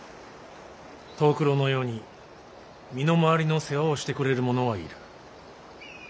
藤九郎のように身の回りの世話をしてくれる者はいる。